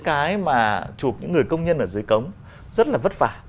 cái mà chụp những người công nhân ở dưới cống rất là vất vả